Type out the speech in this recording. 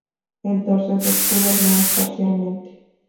El dorso es oscuro, al menos parcialmente.